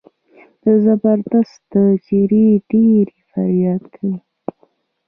د زبردست د چړې ډېر فریاد کوي.